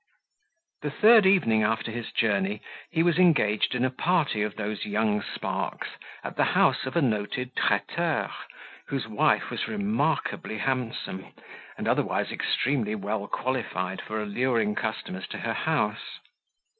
The third evening after his journey, he was engaged in a party of those young sparks, at the house of a noted traiteur, whose wife was remarkably handsome, and otherwise extremely well qualified for alluring customers to her house.